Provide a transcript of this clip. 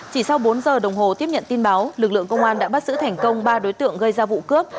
chỉ sau bốn giờ đồng hồ tiếp nhận tin báo lực lượng công an đã bắt giữ thành công ba đối tượng gây ra vụ cướp